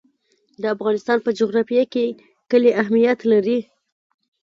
د افغانستان په جغرافیه کې کلي اهمیت لري.